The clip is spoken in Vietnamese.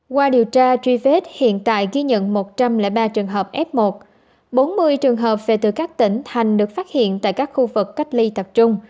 qua điều tra truy vết hiện tại ghi nhận một trăm linh ba trường hợp f một bốn mươi trường hợp về từ các tỉnh thành được phát hiện tại các khu vực cách ly tập trung